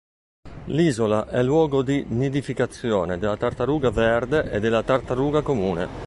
L'isola è luogo di nidificazione della tartaruga verde e della tartaruga comune.